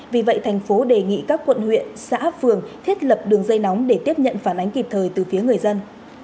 vì vậy thành phố đề nghị các quận huyện xã phường thiết lập đường dây nóng để tiếp nhận phản ánh kịp thời từ phía người dân